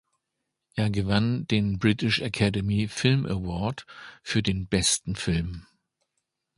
Er gewann den British Academy Film Award für den besten Film.